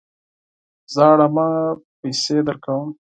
ژاړه مه ! پیسې درکوم.